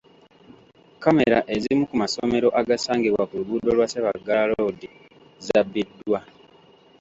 Kkamera ezimu ku masomero agasangibwa ku luguudo lwa Ssebaggala Road zabbiddwa.